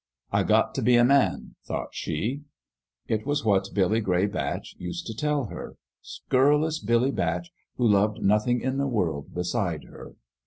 " I got t' be a man," thought she. It was what Gray Billy Batch used to tell her scurrilous Billy Batch who loved nothing in the world beside her.